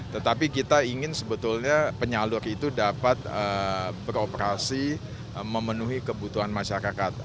tetapi kita ingin sebetulnya penyalur itu dapat beroperasi memenuhi kebutuhan masyarakat